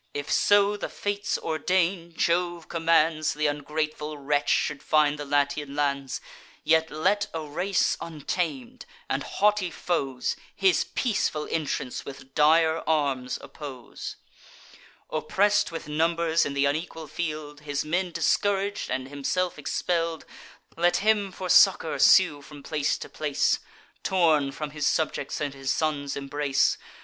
If so the Fates ordain, Jove commands, Th' ungrateful wretch should find the Latian lands, Yet let a race untam'd, and haughty foes, His peaceful entrance with dire arms oppose: Oppress'd with numbers in th' unequal field, His men discourag'd, and himself expell'd, Let him for succour sue from place to place, Torn from his subjects, and his son's embrace.